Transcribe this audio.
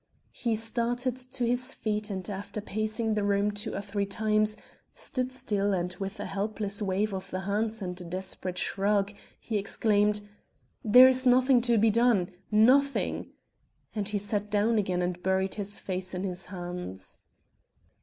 He started to his feet and after pacing the room two or three times stood still and with a helpless wave of the hands and a desperate shrug, he exclaimed: "There is nothing to be done nothing!" Then he sat down again and buried his face in his hands.